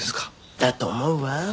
だと思うわ。